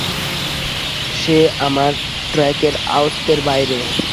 সে আমার ট্র্যাকের আয়ত্তের বাইরে।